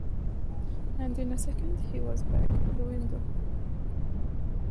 And in a second he was back at the window.